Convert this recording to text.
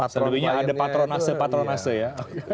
terlebihnya ada patronase patronase ya